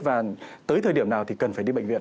và tới thời điểm nào thì cần phải đi bệnh viện